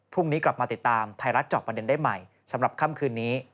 พรุ่งนี้กลับมาติดตามไทยรัฐจอบประเด็นได้ใหม่สำหรับค่ำคืนนี้